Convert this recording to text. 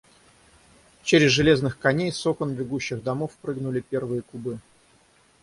Че- рез железных коней с окон бегущих домов прыгнули первые кубы.